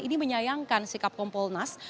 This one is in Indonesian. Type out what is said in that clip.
ini menyayangkan sikap kompolnas